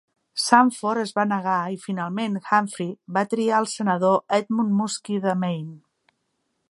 Sanford es va negar, i finalment Humphrey va triar el senador Edmund Muskie de Maine.